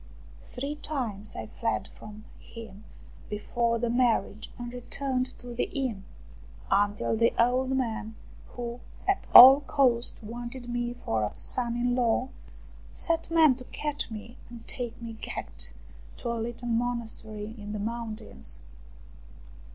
Three times I fled from him before the marriage, and returned to the inn, until the old man, who at all cost wanted me for a son in law, set men to catch me and take me gagged to a little monastery in the mountains.